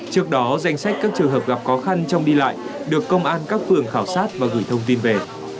trước đó danh sách các trường hợp gặp khó khăn trong đi lại được công an các phường khảo sát và gửi thông tin về